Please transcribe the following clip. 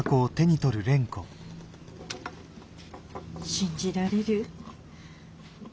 信じられる？